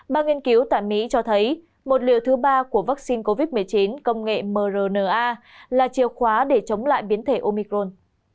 một liều thứ ba của vaccine covid một mươi chín công nghệ mrna là chiều khóa để chống lại biến thể omicron